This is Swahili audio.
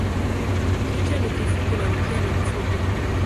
Kichwa ni kifupi na mkia ni mfupi.